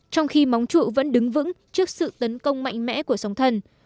trong khi móng trụ vẫn đứng vững trước sự tấn công mạnh mẽ của sóng thần